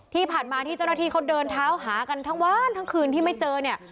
ที่ผ่านมาที่เจ้าหน้าที่เขาเดินเท้าหากันทั้งวันทั้งคืนที่ไม่เจอเนี่ย